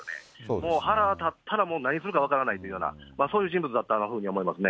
もう腹が立ったら何するか分からないというような、そういう人物だったというふうに思いますね。